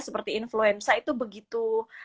seperti influenza itu begitu